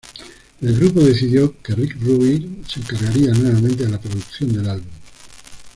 El grupo decidió que Rick Rubin se encargaría nuevamente de la producción del álbum.